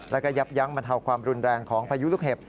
แล้วก็ยับยั้งบรรเทาความรุนแรงของพายุลูกเห็บ